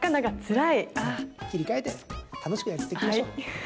切り替えて楽しくやっていきましょう。